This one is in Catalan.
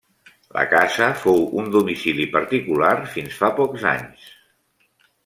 La casa fou un domicili particular fins fa pocs anys.